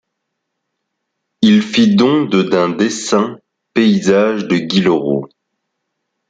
Il fit don de d'un dessin Paysage de Guillerot.